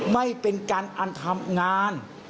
ไม่เป็นการอันทำงาน